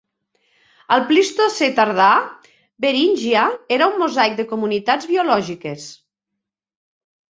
Al Plistocè tardà, Beríngia era un mosaic de comunitats biològiques.